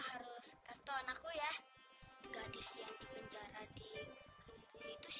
amin ya tuhan